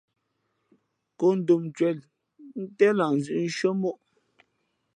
Kǒ ndom ncwěn ntén lah nzʉ̄ʼ shʉ́ά móʼ.